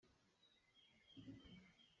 Nau na pawi maw?